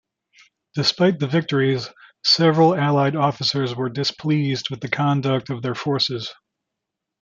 Despite the victories, several allied officers were displeased with the conduct of their forces.